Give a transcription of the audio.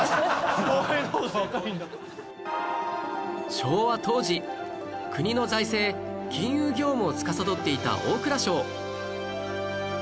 昭和当時国の財政・金融業務をつかさどっていた大蔵省